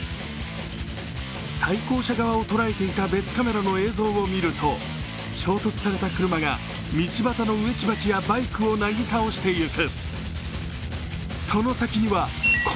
対向車側をとらえていた別カメラの映像を見ると、衝突された車が道端の植木鉢やバイクをなぎ倒していく。